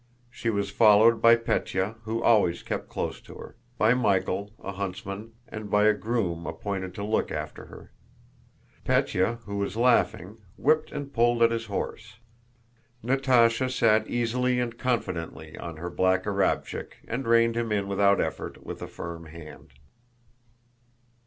She was followed by Pétya who always kept close to her, by Michael, a huntsman, and by a groom appointed to look after her. Pétya, who was laughing, whipped and pulled at his horse. Natásha sat easily and confidently on her black Arábchik and reined him in without effort with a firm hand.